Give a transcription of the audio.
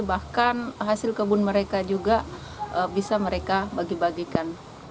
bahkan hasil kebun mereka juga bisa mereka bagi bagikan